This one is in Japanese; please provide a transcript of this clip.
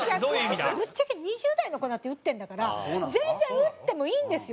「ぶっちゃけ２０代の子だって打ってんだから全然打ってもいいんですよ。